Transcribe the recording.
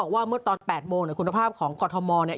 ว่าเมื่อตอน๘โมงเนี่ยคุณภาพของกรทมเนี่ย